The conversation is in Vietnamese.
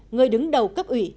người đứng đầu cấp ủy